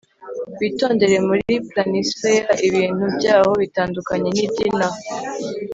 witondere muri planisphere, ibintu byaho bitandukanye nibyinaha